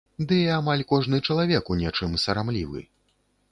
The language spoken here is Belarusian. Ды і амаль кожны чалавек у нечым сарамлівы.